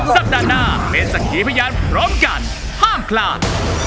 สัปดาห์หน้าเป็นสักขีพยานพร้อมกันห้ามพลาด